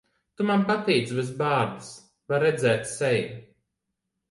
Tu man patīc bez bārdas. Var redzēt seju.